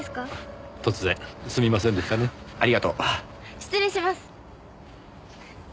失礼します。